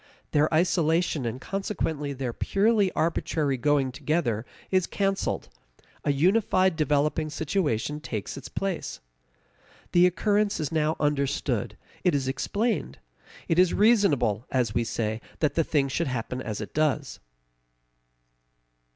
Their isolation, and consequently their purely arbitrary going together, is canceled; a unified developing situation takes its place. The occurrence is now understood; it is explained; it is reasonable, as we say, that the thing should happen as it does.